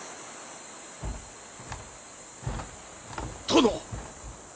殿！